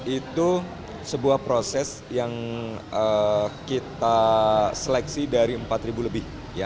itu sebuah proses yang kita seleksi dari empat lebih